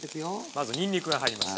まずにんにくが入ります。